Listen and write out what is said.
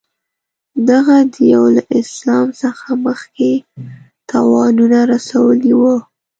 دغه دېو له اسلام څخه مخکې تاوانونه رسولي وه.